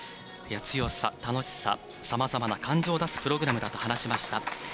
強さ、楽しささまざまな感情を出すプログラムだと話しました。